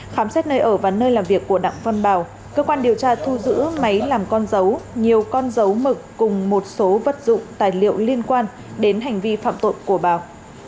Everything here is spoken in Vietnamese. khám xét nơi ở và nơi làm việc của đặng văn bảo cơ quan điều tra thu giữ máy làm con dấu nhiều con dấu mực cùng một số vật dụng tài liệu liên quan đến hành vi phạm tội của báo